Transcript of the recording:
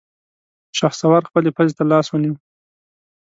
شهسوار خپلې پزې ته لاس ونيو.